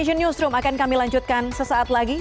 jangan lupa like share dan subscribe channel ini